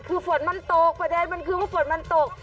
คือฝนมันตกพระแดนคือว่าว่าฝนมันตก